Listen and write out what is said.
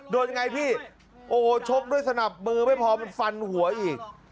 โดนยังไงพี่โอ้ชกด้วยสนับมือไม่พอมันฟันหัวอีก